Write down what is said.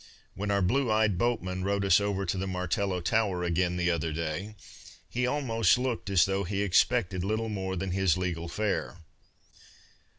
When our blue eyed boatman rowed us over to the Martello tower again the other day, he almost looked as though he expected little more than his legal fare.